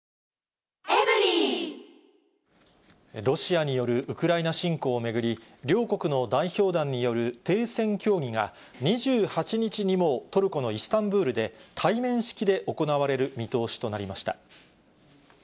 ロシアによるウクライナ侵攻を巡り、両国の代表団による停戦協議が、２８日にもトルコのイスタンブールで、対面式で行われる見通しとなりました。